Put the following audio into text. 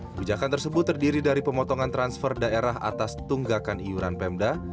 kebijakan tersebut terdiri dari pemotongan transfer daerah atas tunggakan iuran pemda